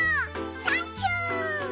サンキュー！